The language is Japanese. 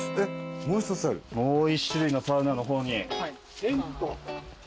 もう一種類のサウナの方に。